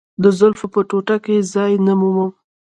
د زلفو په ټوټه کې ځای نه مومم.